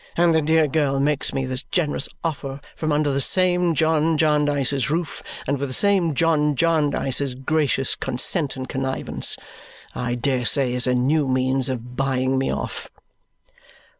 "And the dear girl makes me this generous offer from under the same John Jarndyce's roof, and with the same John Jarndyce's gracious consent and connivance, I dare say, as a new means of buying me off."